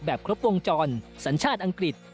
ครบวงจรสัญชาติอังกฤษ